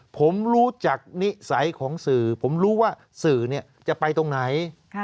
ผมรู้จักนิสัยของสื่อผมรู้ว่าสื่อจะไปตรงไหน